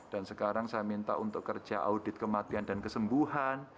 dan sekarang saya minta untuk kerja audit kematian dan kesembuhan